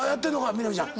みな実ちゃん。